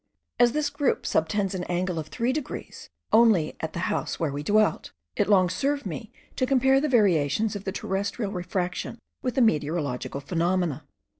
As this group subtends an angle of three degrees only at the house where we dwelt, it long served me to compare the variations of the terrestrial refraction with the meteorological phenomena.